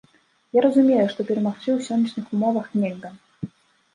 Я разумею, што перамагчы ў сённяшніх умовах нельга.